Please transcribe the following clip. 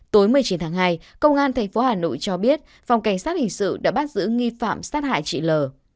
tối một mươi chín tháng hai công an tp hà nội cho biết phòng cảnh sát hình sự đã bắt giữ nghi phạm sát hại chị l